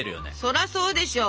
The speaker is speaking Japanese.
そらそうでしょう。